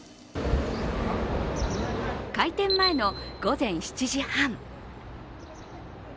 開店前の午前７時半。